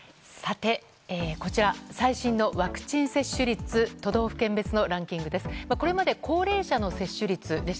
こちら最新のワクチン接種率都道府県別のランキングです。